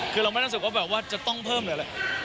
คือเราไม่รู้สึกว่าแบบว่าจะต้องเพิ่มหรืออะไร